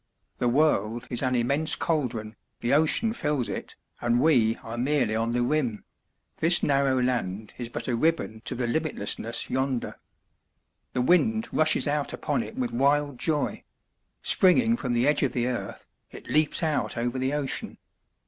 The world is an immense cauldron, the ocean fills it, and we are merely on the rim this narrow land is but a ribbon to the limitlessness yonder. The wind rushes out upon it with wild joy; springing from the edge of the earth, it leaps out over the ocean.